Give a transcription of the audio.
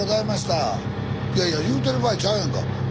いやいや言うてる場合ちゃうやんか。